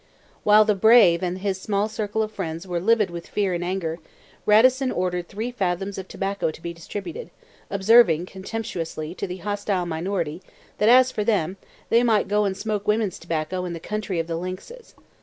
While the brave and his small circle of friends were livid with fear and anger, Radisson ordered three fathoms of tobacco to be distributed; observing, contemptuously, to the hostile minority that, as for them, they might go and smoke women's tobacco in the country of the lynxes.